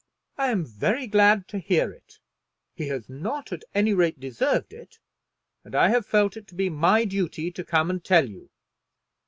"I am very glad to hear it. He has not, at any rate, deserved it; and I have felt it to be my duty to come and tell you."